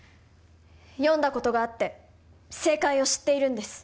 読んだことがあって正解を知っているんです